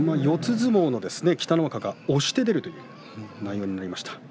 相撲の北の若が押して出るという内容でした。